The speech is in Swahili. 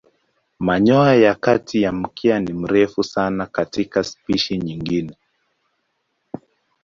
Manyoya ya kati ya mkia ni marefu sana katika spishi nyingine.